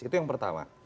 itu yang pertama